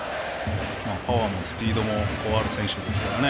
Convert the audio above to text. パワーもスピードもある選手ですからね。